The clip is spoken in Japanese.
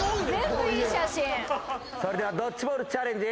それではドッジボールチャレンジ。